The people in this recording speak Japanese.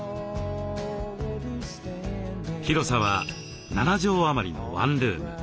広さは７畳余りのワンルーム。